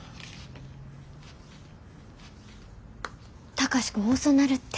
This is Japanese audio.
貴司君遅なるって。